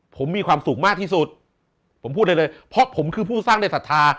ผมมีความสุขมากที่สุดผมพูดได้เลยเพราะผมคือผู้สร้างได้ศรัทธา